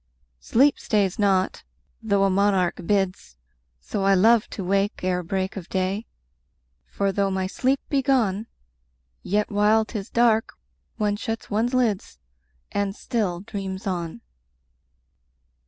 10 Sleep stays not, though a monarch bids: So I love to wake ere break of day: For though my sleep be gone, Yet while 'tis dark, one shuts one's lids, And still dreams on.